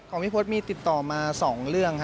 พี่พศมีติดต่อมา๒เรื่อง